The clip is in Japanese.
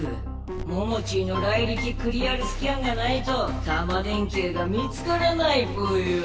モモチーのライリキ・クリアルスキャンがないとタマ電Ｑが見つからないぽよ！